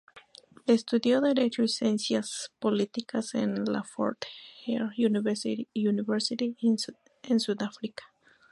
Estudió derecho y ciencias políticas en la Fort Hare University en Sudáfrica.